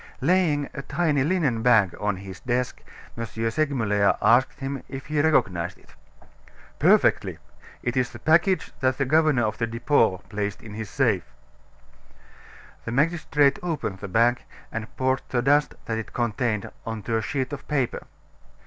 Laying a tiny linen bag on his desk, M. Segmuller asked him if he recognized it. "Perfectly! It is the package that the governor of the Depot placed in his safe." The magistrate opened the bag, and poured the dust that it contained on to a sheet of paper.